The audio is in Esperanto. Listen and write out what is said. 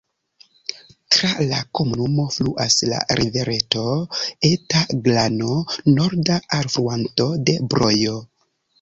Tra la komunumo fluas la rivereto Eta Glano, norda alfluanto de Brojo.